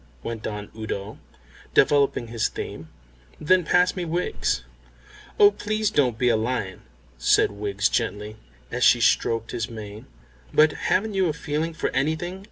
went on Udo, developing his theme. "Then pass me Wiggs." "Oh, please don't be a lion," said Wiggs gently, as she stroked his mane. "But haven't you a feeling for anything?"